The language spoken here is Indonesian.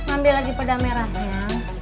ambil lagi pedang merahnya